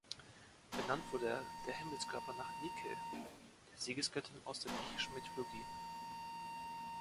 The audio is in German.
Benannt wurde der Himmelskörper nach Nike, der Siegesgöttin aus der griechischen Mythologie.